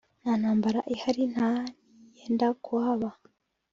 nta ntambara ihari nta n’iyenda kuhaba